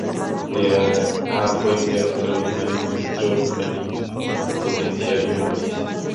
De a fue enviado extraordinario y ministro plenipotenciario en París.